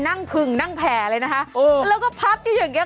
นั่งผึ่งนั่งแผ่เลยนะฮะแล้วก็พัดอยู่อย่างเงี้ย